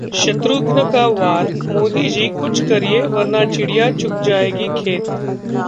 शत्रुघ्न का वार- 'मोदीजी कुछ करिए वरना चिड़िया चुग जाएगी खेत'